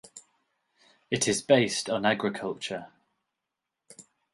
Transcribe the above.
It is based on agriculture.